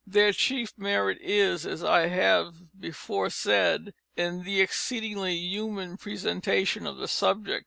Their chief merit is, as I have before said, in the exceedingly human presentment of the subject.